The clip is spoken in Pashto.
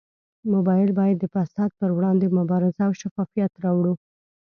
موږ باید د فساد پروړاندې مبارزه او شفافیت راوړو